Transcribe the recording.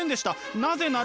なぜなら。